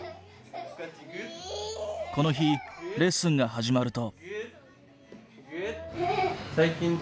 この日レッスンが始まると。